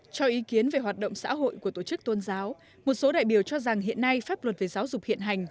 cho ý kiến về hoạt động xã hội của tổ chức tôn giáo một số đại biểu cho rằng hiện nay pháp luật về giáo dục hiện hành